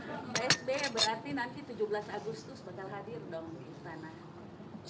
mbak sby berarti nanti tujuh belas agustus bakal hadir dong di istana